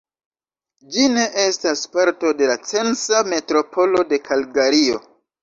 Ĝi ne estas parto de la Censa Metropolo de Kalgario.